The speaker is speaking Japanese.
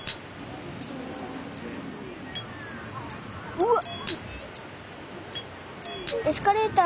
うわっ。